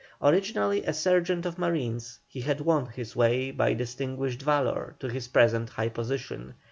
Originally a sergeant of marines, he had won his way by distinguished valour to his present high position.